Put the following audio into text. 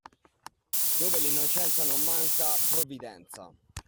Dov'è l'innocenza non manca provvidenza.